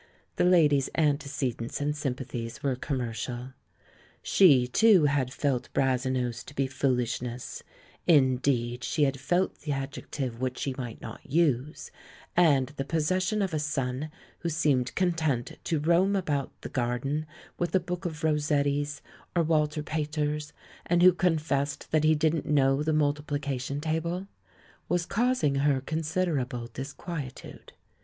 The lady's antecedents and sympathies were com THE LAURELS AND THE LADY 83 mercial. She, too, had felt Brasenose to be fool ishness — indeed, she had felt the adjective which she might not use; and the possession of a son who seemed content to roam about the garden with a book of Rossetti's, or Walter Pater's, and who confessed that he didn't know the multipli cation table, was causing her considerable dis quietude.